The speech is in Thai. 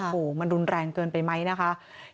โอ้โหมันรุนแรงเกินไปไหมนะคะ